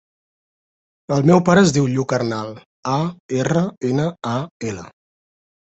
El meu pare es diu Lluc Arnal: a, erra, ena, a, ela.